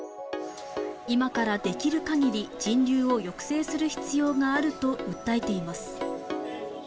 今から、できるかぎり人流を抑制する必要があると訴えています。